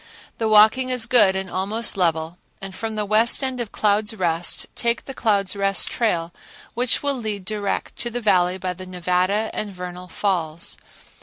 The walking is good and almost level and from the west end of Clouds' Rest take the Clouds' Rest Trail which will lead direct to the Valley by the Nevada and Vernal Falls.